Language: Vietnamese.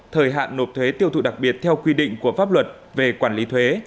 thời hạn nộp thuế tiêu thụ đặc biệt theo quy định của pháp luật về quản lý thuế